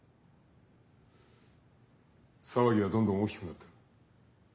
騒ぎはどんどん大きくなってる。